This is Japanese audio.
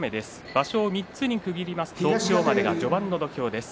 場所を３つに区切りますと今日までが序盤の土俵です。